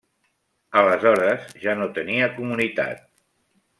Aleshores ja no tenia comunitat.